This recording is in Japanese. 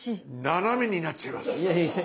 斜めになっちゃいます。